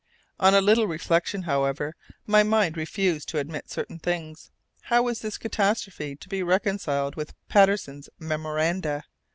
On a little reflection, however, my mind refused to admit certain things. How was this catastrophe to be reconciled with Patterson's memoranda?